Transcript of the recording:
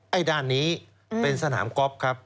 ไอ้ด้านนี้เป็นสนามกอล์ฟครับ